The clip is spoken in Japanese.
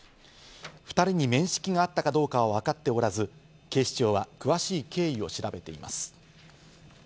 ２人に面識があったかどうかは分かっておらず、警視庁は詳しい経緯を調べています。